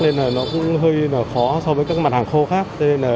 nên nó cũng hơi khó so với các mặt hàng khô khác